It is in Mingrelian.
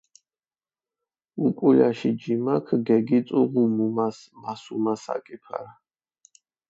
უკულაში ჯიმაქ გეგიწუღუ მუმას მასუმა საკი ფარა.